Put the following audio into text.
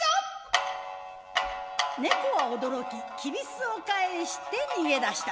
猫は驚き踵を返して逃げ出した。